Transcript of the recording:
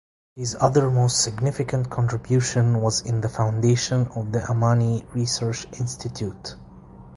His other most significant contribution was in the foundation of the Amani Research Institute.